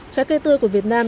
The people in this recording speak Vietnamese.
trái cây tươi của việt nam